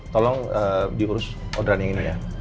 tolong diurus orderan yang ini ya